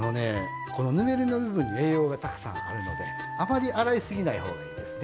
ぬめりの部分に栄養がたくさんあるのであまり洗いすぎないほうがいいですね。